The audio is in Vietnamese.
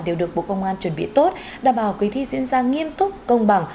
đều được bộ công an chuẩn bị tốt đảm bảo kỳ thi diễn ra nghiêm túc công bằng